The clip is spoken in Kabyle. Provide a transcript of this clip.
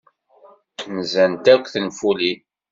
Nzant akk tenfulin.